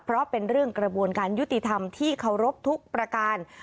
เพราะเป็นเรื่องกระบวนการยุติธรรมที่เคารพทุกประการ